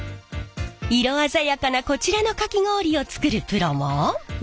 色鮮やかなこちらのかき氷を作るプロも。